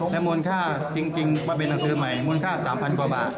และมูลค่าจริงมาเป็นหนังสือใหม่มูลค่า๓๐๐กว่าบาท